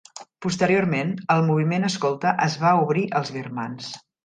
Posteriorment, el moviment escolta es va obrir als birmans.